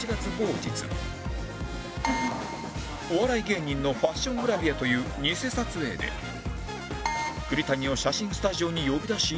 お笑い芸人のファッショングラビアという偽撮影で栗谷を写真スタジオに呼び出し